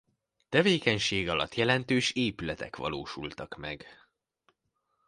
Tevékenysége alatt jelentős épületek valósultak meg.